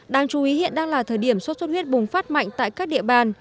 đáng chú ý hiện đang là thời điểm sốt xuất huyết bùng phát mạnh tại các địa bàn